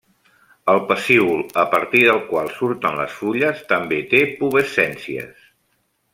El pecíol a partir del qual surten les fulles també té pubescències.